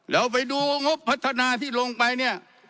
แล้วไปดูงบพัฒนาที่ลงไป